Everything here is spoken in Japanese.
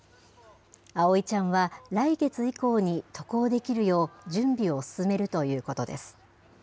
葵ちゃんは、来月以降に渡航できるよう、準備を進めるということです。